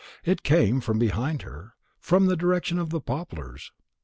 It came from behind her, from the direction of the poplars.